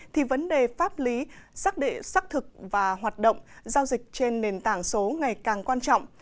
thì vấn đề pháp lý xác định xác thực và hoạt động giao dịch trên nền tảng số ngày càng quan trọng